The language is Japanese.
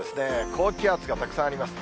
高気圧がたくさんあります。